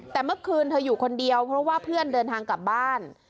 แต่เมื่อคืนเธออยู่คนเดียวเพราะว่าเพื่อนเดินทางกลับบ้าน